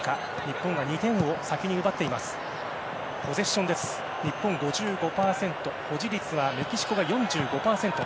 ポゼッションは日本５５％保持率はメキシコが４５％。